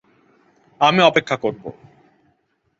আমি অপেক্ষা করব।